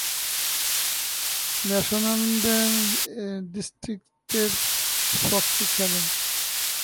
Mashonaland ডিস্ট্রিক্টসের পক্ষে খেলেন।